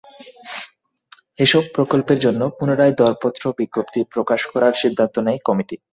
এসব প্রকল্পের জন্য পুনরায় দরপত্র বিজ্ঞপ্তি প্রকাশ করার সিদ্ধান্ত নেয় কমিটি।